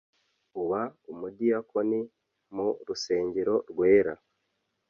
uba umudiyakoni mu rusengero rwera